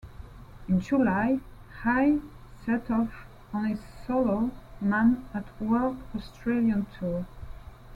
In July, Hay set off on his solo Man at Work Australian tour.